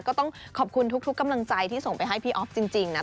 ก็ต้องขอบคุณทุกกำลังใจที่ส่งไปให้พี่อ๊อฟจริงนะ